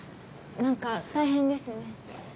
何か大変ですね。